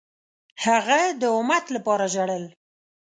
هغه د امت لپاره ژړل.